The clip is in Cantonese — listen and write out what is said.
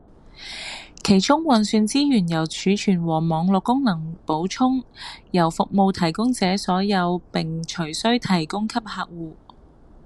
其中運算資源由儲存和網路功能補充，由服務提供者所有並隨需提供給客戶